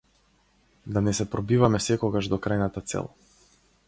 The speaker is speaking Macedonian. Да не се пробиваме секогаш до крајната цел.